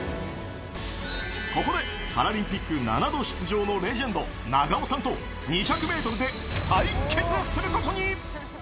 ここでパラリンピック７度出場のレジェンド、永尾さんと２００メートルで対決することに。